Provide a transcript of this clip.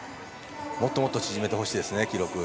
もっともっと縮めてほしいですね、記録。